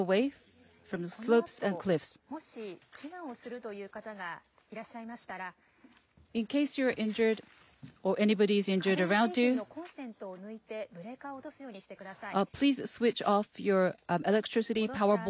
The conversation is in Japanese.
このあと、もし避難をするという方がいらっしゃいましたら、家電製品のコンセントを抜いて、ブレーカーを落とすようにしてください。